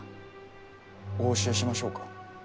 お教えしましょうか？